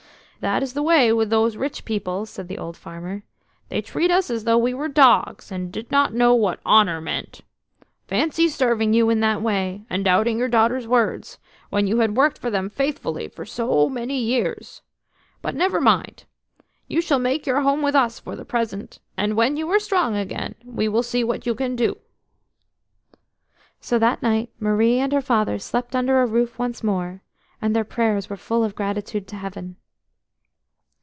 "That is the way with those rich people," said the old farmer; "they treat us as though we were dogs and did not know what honour meant. Fancy serving you in that way, and doubting your daughter's word, when you had worked for them faithfully for so many years! But never mind–you shall make your home with us for the present, and when you are strong again, we will see what you can do." So that night Marie and her father slept under a roof once more, and their prayers were full of gratitude to Heaven.